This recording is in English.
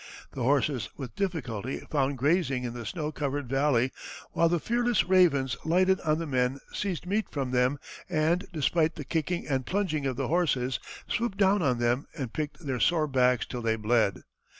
The horses with difficulty found grazing in the snow covered valley, while the fearless ravens lighting on the men seized meat from them, and, despite the kicking and plunging of the horses swooped down on them and picked their sore backs till they bled.